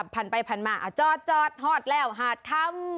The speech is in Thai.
ภันท์ไปพันมาจอดคะฮอดแล้วฮาดคำ